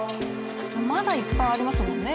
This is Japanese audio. まだいっぱいありますもんね